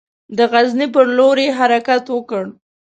د غزني پر لور یې حرکت وکړ.